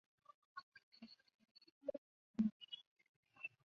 通过荧光原位杂交能够确认它们的存在。